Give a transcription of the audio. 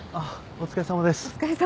お疲れさまです。